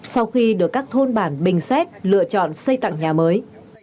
sau khi được các thôn bản bình xét lựa chọn xây tặng nhà mới